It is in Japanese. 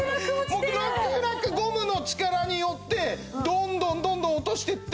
もうラクラクゴムの力によってどんどんどんどん落としていって。